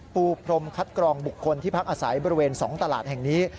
ปูพรมคัดกรองบุคคลที่พักอาศัยบริเวณ๒ตลาดแห่งนี้